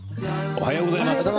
おはようございます。